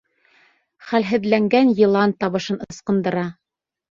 Хәлһеҙләнгән йылан табышын ыскындыра.